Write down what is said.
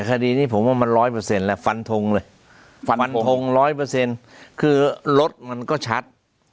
คดีนี้ผมว่ามันร้อยเปอร์เซ็นต์แล้วฟันทงเลยฟันทงร้อยเปอร์เซ็นต์คือรถมันก็ชัด